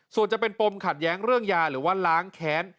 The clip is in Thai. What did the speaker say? ส่วนจะเป็นปมขัดแย้งเรื่องยาหรือว่าล้างแค้น